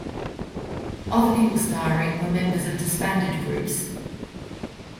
Other people starring were members of disbanded groups.